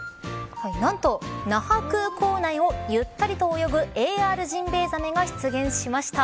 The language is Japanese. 何と、那覇空港内をゆったりと泳ぐＡＲジンベエザメが出現しました。